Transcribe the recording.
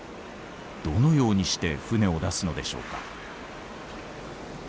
どのようにして船を出すのでしょうか？